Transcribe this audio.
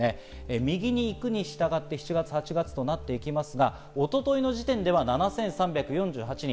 右に行くに従って７月、８月となっていきますが、一昨日時点では７３４８人。